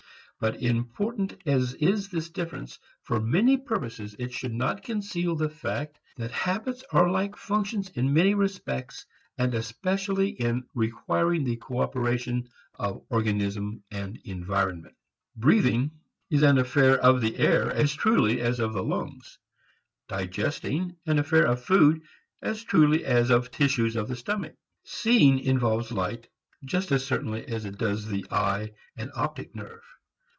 But important as is this difference for many purposes it should not conceal the fact that habits are like functions in many respects, and especially in requiring the cooperation of organism and environment. Breathing is an affair of the air as truly as of the lungs; digesting an affair of food as truly as of tissues of stomach. Seeing involves light just as certainly as it does the eye and optic nerve.